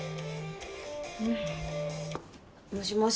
もしもし？